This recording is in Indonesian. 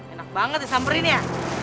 enak banget disamber ini ya